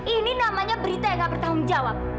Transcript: ini namanya berita yang gak bertanggung jawab